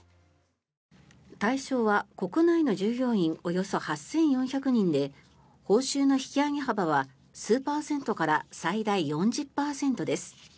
対象は国内の従業員およそ８４００人で報酬の引き上げ幅は数パーセントから最大４０％です。